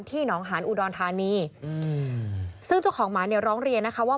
หนองหานอุดรธานีอืมซึ่งเจ้าของหมาเนี่ยร้องเรียนนะคะว่า